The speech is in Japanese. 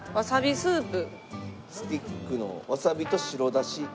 スティックのわさびと白だし。